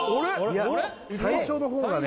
いや最初の方がね